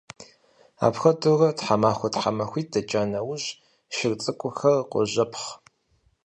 Апхуэдэурэ, тхьэмахуэ-тхьэмахуитӀ дэкӀа нэужь, шыр цӀыкӀухэр къожэпхъ.